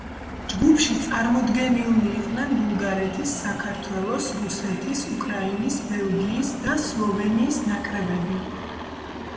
ჯგუფში წარმოდგენილნი იყვნენ ბულგარეთის, საქართველოს, რუსეთის, უკრაინის, ბელგიის და სლოვენიის ნაკრებები.